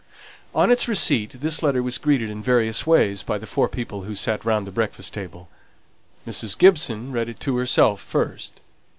On its receipt, this letter was greeted in various ways by the four people who sate round the breakfast table. Mrs. Gibson read it to herself first.